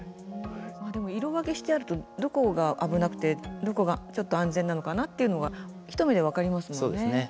でも色分けしてあるとどこが危なくてどこがちょっと安全なのかなっていうのが一目で分かりますもんね。